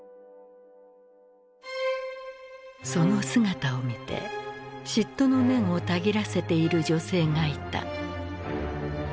その姿を見て嫉妬の念をたぎらせている女性がいた。